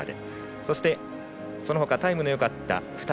そしてそのほかタイムのよかった２人。